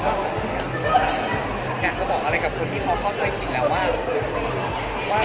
อยากจะบอกอะไรกับคนที่เขาเข้าใจผิดแล้วว่า